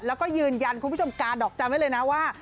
แล้วก็ยืนยันคุณผู้ชมกาดอกจันทร์ไว้เลยนะว่า